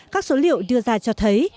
các số liệu đưa ra cho thấy